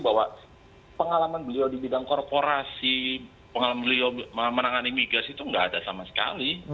bahwa pengalaman beliau di bidang korporasi pengalaman beliau menangani migas itu nggak ada sama sekali